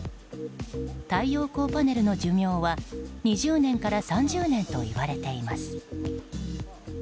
太陽光パネルの寿命は２０年から３０年といわれています。